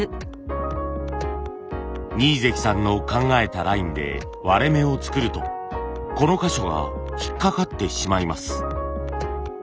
二位関さんの考えたラインで割れ目を作るとこの箇所が引っ掛かってしまいます。